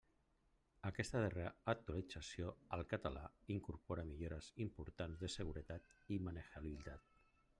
Aquesta darrera actualització al català incorpora millores importants de seguretat i manejabilitat.